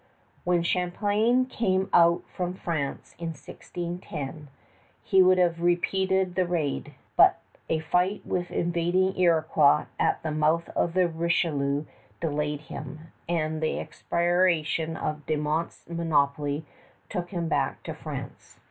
When Champlain came out from France in 1610, he would have repeated the raid; but a fight with invading Iroquois at the mouth of the Richelieu delayed him, and the expiration of De Monts' monopoly took him back to France.